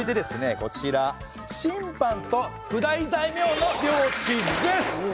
こちら親藩と譜代大名の領地です！